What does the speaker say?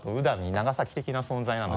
長崎的な存在なので。